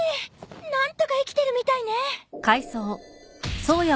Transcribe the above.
何とか生きてるみたいね。